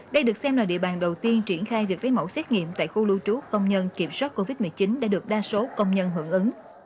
đây được xem là địa bàn đầu tiên triển khai việc lấy mẫu xét nghiệm tại khu lưu trú công nhân kiểm soát covid một mươi chín đã được đa số công nhân hưởng ứng